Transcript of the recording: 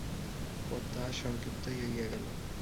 পথ তাহার সংক্ষিপ্তই হইয়া গেল।